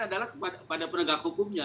adalah kepada penegak hukumnya